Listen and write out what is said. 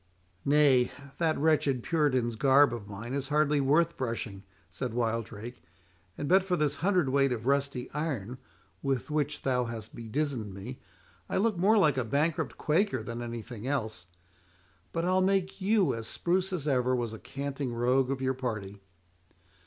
"Nay, that wretched puritan's garb of mine is hardly worth brushing," said Wildrake; "and but for this hundred weight of rusty iron, with which thou hast bedizened me, I look more like a bankrupt Quaker than anything else. But I'll make you as spruce as ever was a canting rogue of your party."